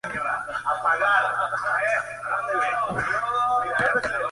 Se condenó por sodomía a cuatro hombres más que obtuvieron la libertad condicional.